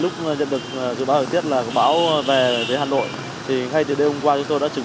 cơn bão này là lúc